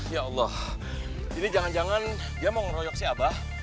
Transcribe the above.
ya allah jadi jangan jangan dia mau ngeroyok si abah